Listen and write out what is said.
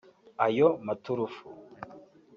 Ayo maturufu